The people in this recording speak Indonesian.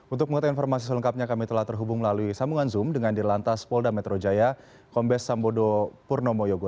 untuk mengetahui informasi selengkapnya kami telah terhubung melalui sambungan zoom dengan di lantas polda metro jaya kombes sambodo purnomo yogo